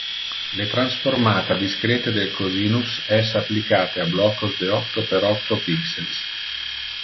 Le transformata discrete del cosinus es applicate a blocos de octo per octo pixels.